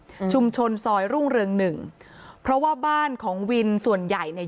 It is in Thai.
อืมชุมชนซอยรุ่งเรืองหนึ่งเพราะว่าบ้านของวินส่วนใหญ่เนี้ย